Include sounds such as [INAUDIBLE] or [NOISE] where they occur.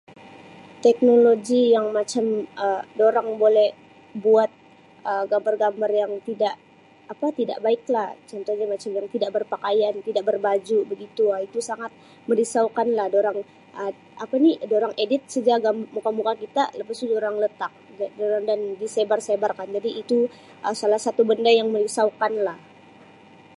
Teknologi yang macam Um dorang boleh buat Um gambar-gambar yang tidak apa tidak baik lah contohnya macam yang tidak berpakaian tidak berbaju begitu Um itu sangat merisaukan lah dorang Um apa ni dorang edit saja gam muka-muka kita lepas tu dorang letak [UNINTELLIGIBLE] disebar sebarkan Um jadi itu salah satu benda yang merisaukan lah.